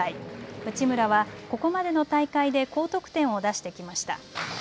内村は、ここまでの大会で高得点を出してきました。